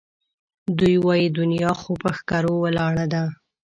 دوی وایي دنیا خو پهٔ ښکرو ولاړه ده